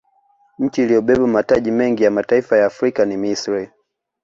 nchi iliyobeba mataji mengi ya mataifa ya afrika ni misri